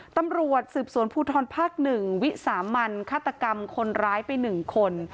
ตำรวจสืบสวนภูทรภาคหนึ่งวิสามัญฆาตกรรมคนร้ายไปหนึ่งคน